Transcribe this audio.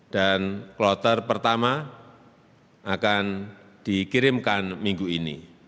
dan kloter pertama akan dikirimkan minggu ini